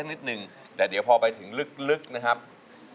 เพลงที่เจ็ดเพลงที่แปดแล้วมันจะบีบหัวใจมากกว่านี้